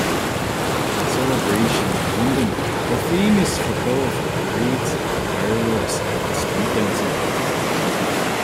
Celebrations in London are famous for colourful parades, fireworks, and street dancing.